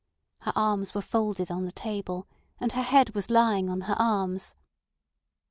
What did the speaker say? Her arms were folded on the table, and her head was lying on her arms.